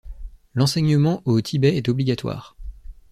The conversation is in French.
L'enseignement au Tibet est obligatoire.